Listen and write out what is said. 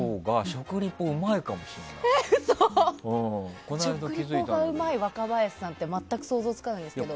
食リポがうまい若林さんって全く想像つかないですけど。